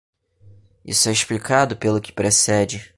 Isso é explicado pelo que precede.